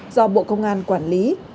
do bộ công an quản lý